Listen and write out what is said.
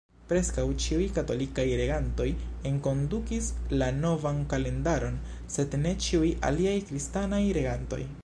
Preskaŭ ĉiuj katolikaj regantoj enkondukis la novan kalendaron, sed ne ĉiuj aliaj kristanaj regantoj.